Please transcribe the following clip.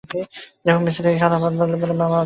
যখন মেসে থাকি, খালা ভাত বাড়লে বলে, মামা, ভাতটা নিয়ে যাও।